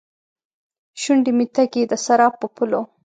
شونډې مې تږې ، دسراب په پولو